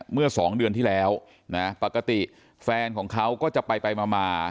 เมื่อสองเดือนที่แล้วนะปกติแฟนของเขาก็จะไปไปมา